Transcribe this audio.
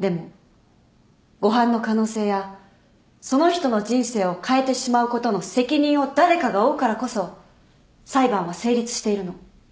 でも誤判の可能性やその人の人生を変えてしまうことの責任を誰かが負うからこそ裁判は成立しているの。